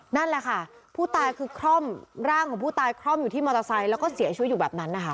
นั่นแหละค่ะผู้ตายคือคร่อมร่างของผู้ตายคล่อมอยู่ที่มอเตอร์ไซค์แล้วก็เสียชีวิตอยู่แบบนั้นนะคะ